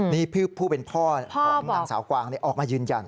นี่ผู้เป็นพ่อของนางสาวกวางออกมายืนยัน